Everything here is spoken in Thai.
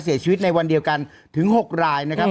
เสียชีวิตในวันเดียวกันถึง๖รายนะครับ